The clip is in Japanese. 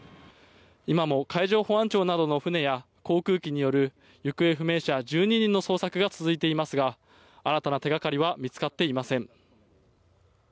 今も海上保安庁などの船や航空機による行方不明者１２人の捜索が続いていますが新たな手掛かりは見つかっていません。